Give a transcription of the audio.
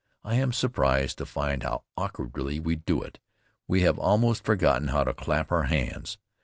I am surprised to find how awkwardly we do it. We have almost forgotten how to clap our hands!